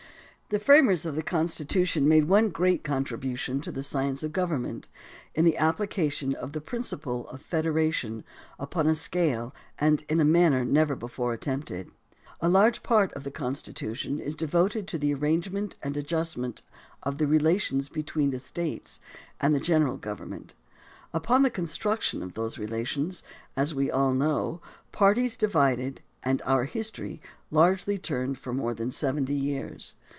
The framers of the Constitution made one great contribution to the science of government, in the application of the prin ciple of federation upon a scale and in a manner never before attempted. A large part of the Constitution is devoted to the arrangement and adjustment of the relations between the States and the general govern ment. Upon the construction of those relations, as we all know, parties divided and our history largely turned for more than seventy years.